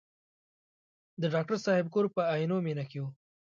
د ډاکټر صاحب کور په عینومېنه کې و.